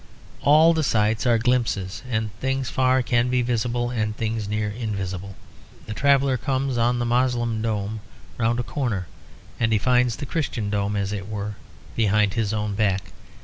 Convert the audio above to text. All the sights are glimpses; and things far can be visible and things near invisible. The traveller comes on the Moslem dome round a corner; and he finds the Christian dome, as it were, behind his own back.